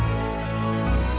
makasih mbak ended